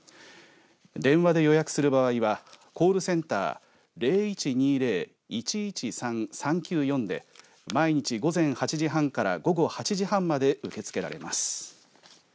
電話で予約する場合はコールセンター０１２０−１１３−３９４で毎日午前８時半から午後８時半まで受け付けられます。